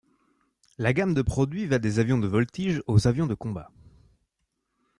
La gamme de produits va des avions de voltige aux avions de combat.